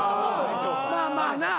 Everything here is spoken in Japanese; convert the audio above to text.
あまあまあな。